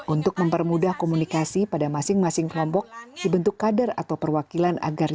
untuk mempermudah komunikasi pada masing masing kelompok dibentuk kader atau perwakilan agar